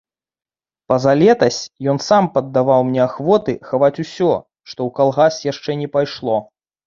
Пазалетась ён сам паддаваў мне ахвоты хаваць усё, што ў калгас яшчэ не пайшло.